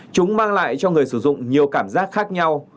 chúng mang lại cho người sử dụng nhiều cảm giác khác nhau